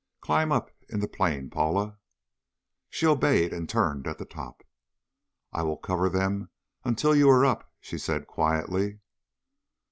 "Climb up in the plane, Paula." She obeyed, and turned at the top. "I will cover them until you are up," she said quietly.